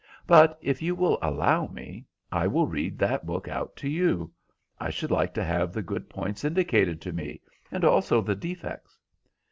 But if you will allow me, I will read that book out to you. I should like to have the good points indicated to me, and also the defects."